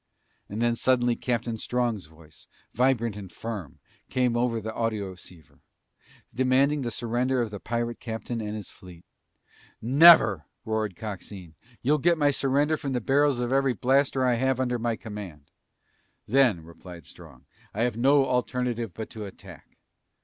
And then suddenly Captain Strong's voice, vibrant and firm, came over the audioceiver, demanding the surrender of the pirate captain and his fleet. "Never!" roared Coxine. "You'll get my surrender from the barrels of every blaster I have under my command!" "Then," replied Strong, "I have no alternative but to attack!"